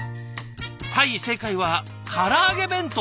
はい正解はから揚げ弁当！